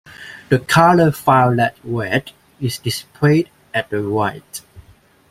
The color violet-red is displayed at the right.